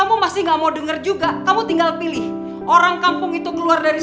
udah gak ada tapi tapi